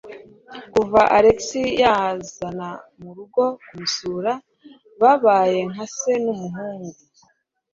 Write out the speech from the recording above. Kuva Alex yamuzana murugo kumusura, babaye nka se numuhungu.